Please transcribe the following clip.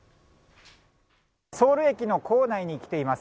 ソウル駅の構内に来ています。